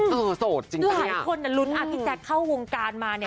โดยหายคนลุ้นอภิกษ์แจกเข้าวงการมาเนี่ย